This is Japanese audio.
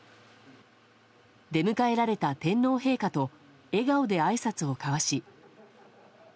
出迎えられた天皇陛下と笑顔であいさつを交わし。